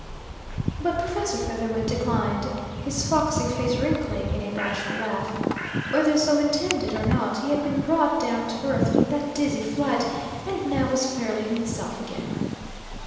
But Professor Featherwit declined, his foxy face wrinkling in a bashful laugh. Whether so intended or not, he had been brought down to earth from that dizzy flight, and now was fairly himself again.